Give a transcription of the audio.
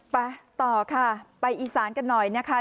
ไปต่อค่ะไปอีสานกันหน่อยนะคะ